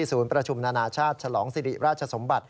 ศูนย์ประชุมนานาชาติฉลองสิริราชสมบัติ